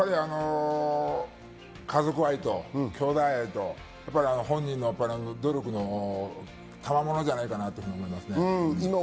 やはり家族愛と兄妹愛と本人の努力のたまものじゃないかなと思いますね。